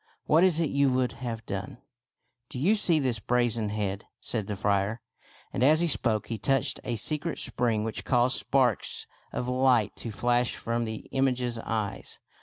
What is it you would have done ?"" Do you see this brazen head ?" said the friar ; and as he spoke he touched a secret spring which caused sparks of light to flash from the image's eyes.